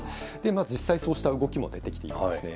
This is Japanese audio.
実際、そうした動きも出てきているんですね。